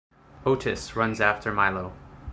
Otis runs after Milo.